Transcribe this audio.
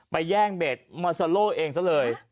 แย่งเบสมอโซโล่เองซะเลย